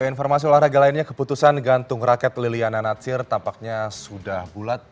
dengan informasi olahraga lainnya keputusan gantung raket liliana natsir tampaknya sudah bulat